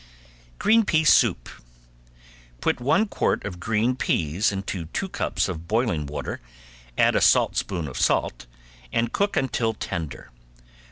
~GREEN PEA SOUP~ Put one quart of green peas into two cups of boiling water, add a saltspoon of salt, and cook until tender.